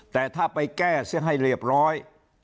แต่ถ้าไปแก้เสียให้เรียบร้อย